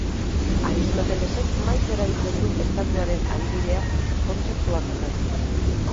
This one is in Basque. Aristotelesek maiz erabiltzen du estatuaren adibidea kontzeptuak azaltzeko.